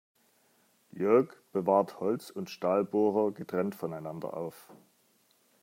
Jörg bewahrt Holz- und Stahlbohrer getrennt voneinander auf.